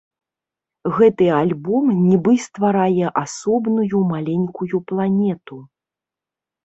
Гэты альбом нібы стварае асобную маленькую планету.